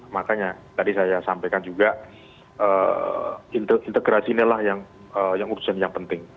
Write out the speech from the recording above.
makanya tadi saya sampaikan juga integrasi inilah yang urusan yang penting